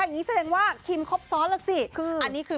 ทางนี้แสดงว่าคิมคบซ้อนล่ะสิ